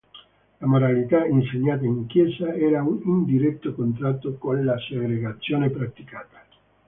La moralità insegnata in chiesa era in diretto contrasto con la segregazione praticata.